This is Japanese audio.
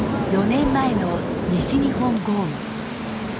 ４年前の西日本豪雨。